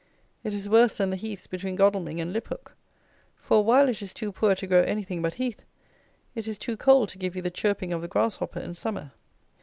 It is worse than the heaths between Godalming and Liphook; for, while it is too poor to grow anything but heath, it is too cold to give you the chirping of the grasshopper in summer.